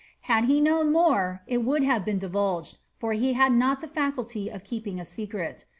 Had he known more it would have been divulged, for he had not the faculty of keeping a aeeret.